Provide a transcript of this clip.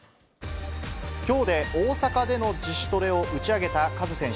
きょうで大阪での自主トレを打ち上げたカズ選手。